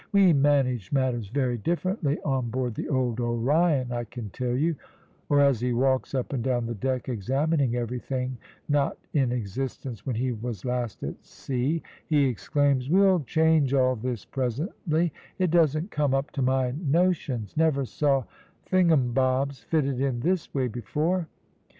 We managed matters very differently on board the old Orion, I can tell you,' or, as he walks up and down the deck examining everything not in existence when he was last at sea, he exclaims, `We'll change all this presently it doesn't come up to my notions; never saw thingumbobs fitted in this way before.'